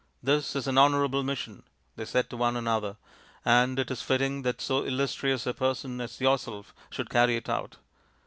" This is an honourable mission," they said one to another, " and it is fitting that so illustrious a person as yourself should carry it out."